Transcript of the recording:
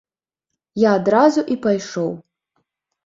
Я адразу і пайшоў.